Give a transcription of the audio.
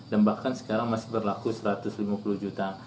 dan bahkan sekarang masih berlaku satu ratus lima puluh juta